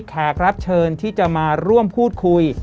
แขกรับเชิญที่จะมาร่วมพูดคุย